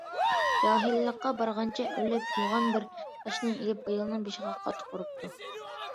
جاھىللىقى بارغانچە ئۆرلەپ، يوغان بىر تاشنى ئېلىپ، ئايالنىڭ بېشىغا قاتتىق ئۇرۇپتۇ.